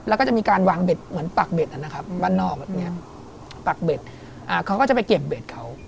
แล้วก็จะมีการวางเบ็ดเหมือนปักเบ็ดนะครับบ้านนอกแบบนี้ปากเบ็ดเขาก็จะไปเก็บเบ็ดเขา